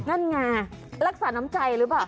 นั่นไงรักษาน้ำใจหรือเปล่า